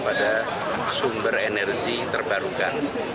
ada sumber energi terbarukan